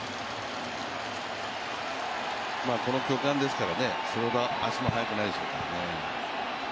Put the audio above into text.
この巨漢ですから、それほど足も速くないでしょう。